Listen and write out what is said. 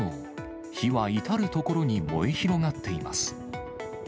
火は至る所に燃え広がっています。